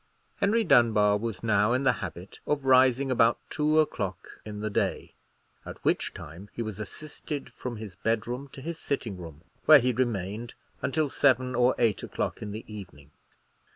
Henry Dunbar was now in the habit of rising about two o'clock in the day, at which time he was assisted from his bedroom to his sitting room, where he remained until seven or eight o'clock in the evening.